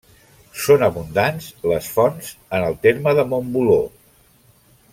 Són abundants, les fonts en el terme de Montboló.